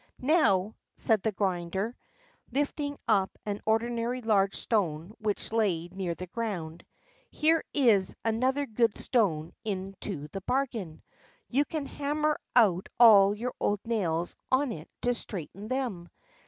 "Now," said the grinder, lifting up an ordinary large stone which lay near on the road, "here is another good stone into the bargain. You can hammer out all your old nails on it to straighten them.